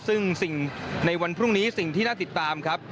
ซึ่งสิ่งในวันพรุ่งนี้สิ่งที่น่าติดตามครับ